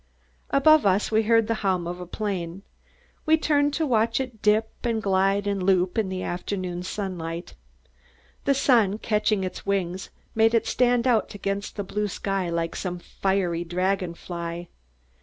Above us we heard the hum of a plane. We turned to watch it dip and glide and loop, in the afternoon sunlight. The sun, catching its wings, made it stand out against the blue sky like some fiery dragon fly.